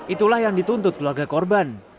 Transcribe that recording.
itulah yang dituntut keluarga korban